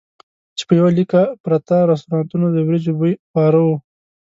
چې په یوه لیکه پرتو رستورانتونو د وریجو بوی خواره وو.